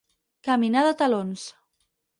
Caminar de talons.